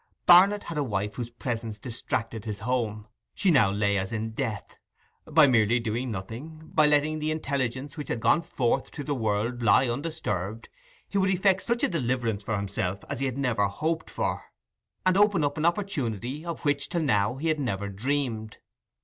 Barnet had a wife whose pretence distracted his home; she now lay as in death; by merely doing nothing—by letting the intelligence which had gone forth to the world lie undisturbed—he would effect such a deliverance for himself as he had never hoped for, and open up an opportunity of which till now he had never dreamed.